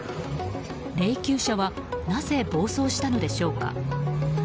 霊柩車はなぜ暴走したのでしょうか。